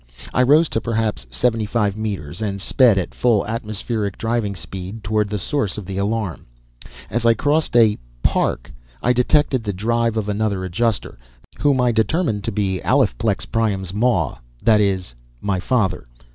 I rose to perhaps seventy five meters and sped at full atmospheric driving speed toward the source of the alarm. As I crossed a "park" I detected the drive of another Adjuster, whom I determined to be Alephplex Priam's Maw that is, my father.